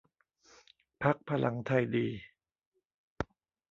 พรรคพลังไทยดี